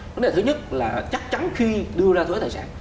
vấn đề thứ nhất là chắc chắn khi đưa ra thuế tài sản